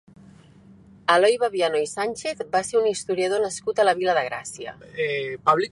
Eloi Babiano i Sànchez va ser un historiador nascut a la Vila de Gràcia.